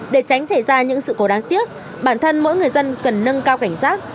để tránh xảy ra những sự cố đáng tiếc bản thân mỗi người dân cần nâng cao cảnh giác